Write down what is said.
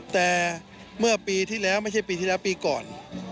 แต่เมื่อปีที่แล้วไม่ใช่ปีที่แล้วปีก่อน